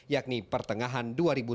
yakni pertengahan dua ribu delapan belas